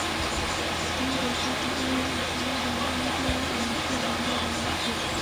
Tangu wakati ule msalaba wa Andrea umekuwa bendera ya Uskoti.